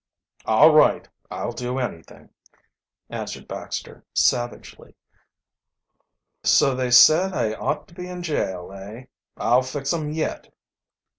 "All right I'll do anything," answered Baxter savagely. "So they said I ought to be in jail, eh? I'll fix 'em yet!"